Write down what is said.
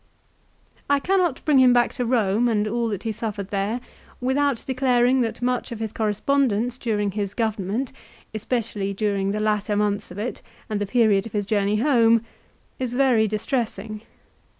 I cannot bring him back to Eome and all that he suffered there without declaring that much of his correspondence during his government, especially during the latter months of it, and the period of his journey home, is very distress ing.